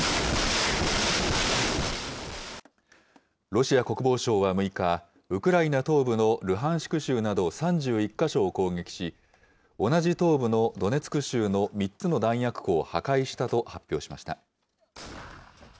ロシア国防省は６日、ウクライナ東部のルハンシク州など３１か所を攻撃し、同じ東部のドネツク州の３つの弾薬庫を破壊したと発表しました。